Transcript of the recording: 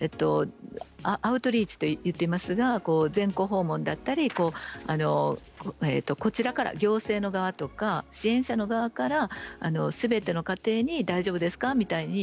アウトリーチと言っていますが全校訪問だったりこちらから支援者の側からすべての家庭に大丈夫ですか？